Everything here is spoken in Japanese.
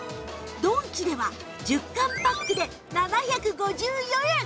ドンキでは１０缶パックで７５４円！